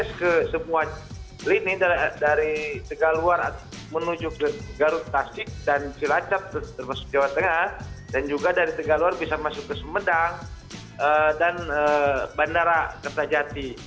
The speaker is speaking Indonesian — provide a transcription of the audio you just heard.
aksen ke semua lini dari tiga luar menuju garut tasik dan cilacap termasuk jawa tengah dan juga dari tiga luar bisa masuk ke semedang dan bandara ketajati